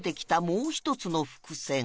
もう一つの伏線